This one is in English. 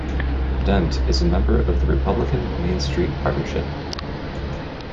Dent is a member of The Republican Main Street Partnership.